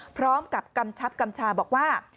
พร้อมกับกำชับกำชาบอกว่า